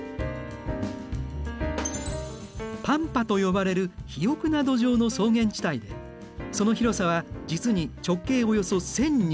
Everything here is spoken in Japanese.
パンパと呼ばれる肥沃な土壌の草原地帯でその広さは実に直径およそ１，２００キロメートル。